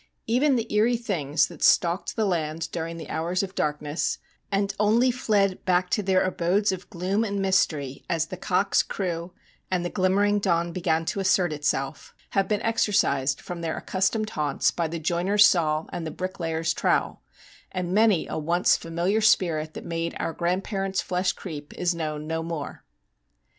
Even the eerie things that stalked the land during the hours of darkness, and only fled back to their abodes of gloom and mystery as the cocks crew and the glimmering dawn began to assert itself, have been'exorcised from their accustomed haunts by the joiner's saw and the bricklayer's trowel, and many a once familiar spirit that made our grandparents' flesh creep is known no more.